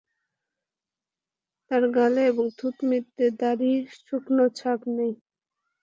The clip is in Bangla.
তার গালে এবং থুঁতনিতে দাঁড়ির সূক্ষ ছাপ নেই।